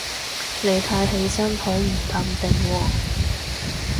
你睇起身好唔淡定喎